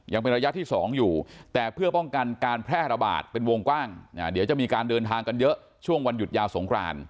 ยังเป็นระยะที่๒อยู่แต่เพื่อป้องกันการแพร่ระบาดเป็นวงกว้างเดี๋ยวจะมีการเดินทางกันเยอะช่วงวันหยุดยาวสงคราน